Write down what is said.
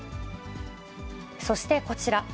そして、こちら。